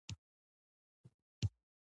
یا هم د نژادي تړاو له امله وي.